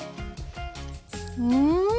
うん！